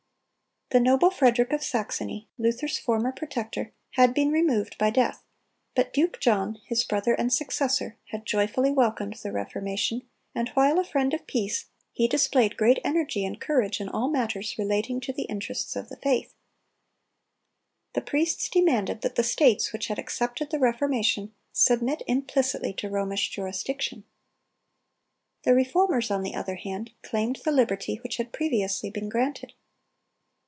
The noble Frederick of Saxony, Luther's former protector, had been removed by death; but Duke John, his brother and successor, had joyfully welcomed the Reformation, and while a friend of peace, he displayed great energy and courage in all matters relating to the interests of the faith. The priests demanded that the states which had accepted the Reformation submit implicitly to Romish jurisdiction. The Reformers, on the other hand, claimed the liberty which had previously been granted.